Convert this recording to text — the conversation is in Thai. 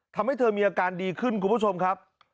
ทำให้เธอมีอาการดีขึ้นคุณผู้ชมครับ